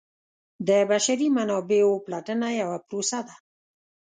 د بشري منابعو پلټنه یوه پروسه ده.